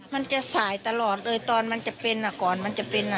มันจะสายตลอดเลยตอนมันจะเป็นก่อนมันจะเป็น